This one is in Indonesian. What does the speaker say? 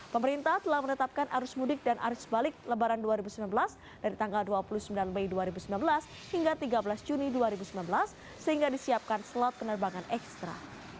pemerintah telah menetapkan arus mudik dan arus balik lebaran dua ribu sembilan belas dari tanggal dua puluh sembilan mei dua ribu sembilan belas hingga tiga belas juni dua ribu sembilan belas sehingga disiapkan slot penerbangan ekstra